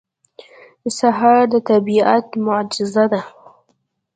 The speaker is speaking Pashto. سهار د طبیعت معجزه ده.